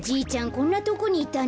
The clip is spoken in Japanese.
こんなとこにいたんだ。